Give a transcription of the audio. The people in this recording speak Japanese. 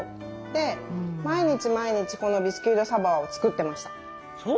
で毎日毎日このビスキュイ・ド・サヴォワを作ってました。